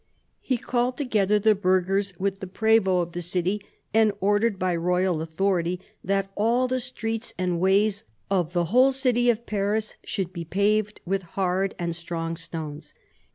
He called together the burghers with the prevot of the city, and ordered by royal authority that all the streets and ways of the whole city of Paris should be paved with hard and strong stones."